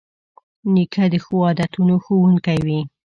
نیکه د ښو عادتونو ښوونکی وي.